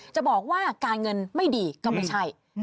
จะบอกว่าการเงินไม่ดีก็ไม่ใช่